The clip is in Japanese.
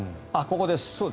ここです。